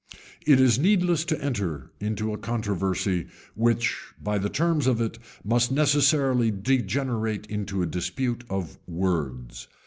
It is needless to enter, into a controversy, which, by the terms of it, must necessarily degenerate into a dispute of words.